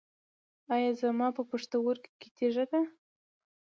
ایا زما په پښتورګي کې تیږه ده؟